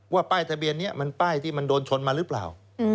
ป้ายทะเบียนนี้มันป้ายที่มันโดนชนมาหรือเปล่า